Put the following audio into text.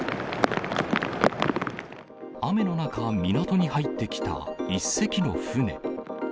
雨の中、港に入ってきた１隻の船。